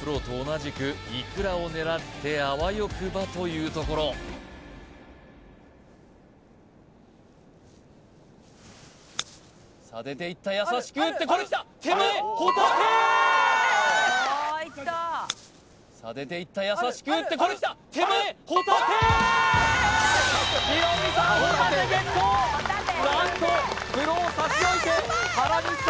プロと同じくイクラを狙ってあわよくばというところさあ出ていった優しく打ってこれ手前ホタテさあ出ていった優しく打ってこれ手前ホタテヒロミさんホタテゲット何とプロを差し置いて原西さん